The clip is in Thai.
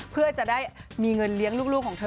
เพื่อจะได้มีเงินเลี้ยงลูกของเธอ